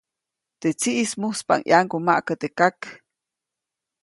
Teʼ tsiʼis muspaʼuŋ ʼyaŋgumaʼkä teʼ kak.